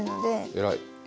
偉い。